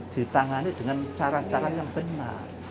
ditangani dengan cara cara yang benar